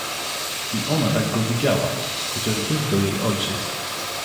"I ona tak go widziała, chociaż był to jej ojciec."